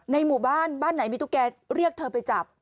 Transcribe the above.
หมู่บ้านบ้านไหนมีตุ๊กแกเรียกเธอไปจับ